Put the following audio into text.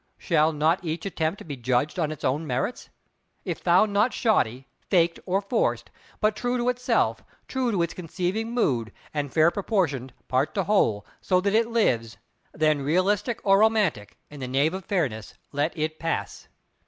Shall not each attempt be judged on its own merits? If found not shoddy, faked, or forced, but true to itself, true to its conceiving mood, and fair proportioned part to whole; so that it lives—then, realistic or romantic, in the name of Fairness let it pass!